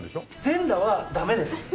全裸はダメです！